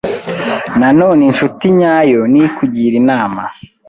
Na none incuti nyayo nikugira inama